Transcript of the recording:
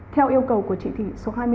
theo yêu cầu của chỉ thị số hai mươi bốn